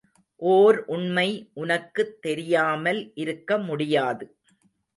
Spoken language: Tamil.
ஓர் உண்மை உனக்கு தெரியாமல் இருக்க முடியாது.